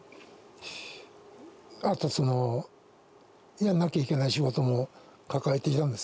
あとやんなきゃいけない仕事も抱えていたんです